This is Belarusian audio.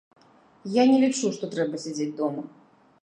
Я не лічу, што трэба сядзець дома.